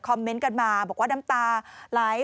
เมนต์กันมาบอกว่าน้ำตาไหล